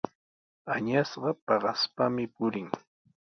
Añasqa paqaspami purin.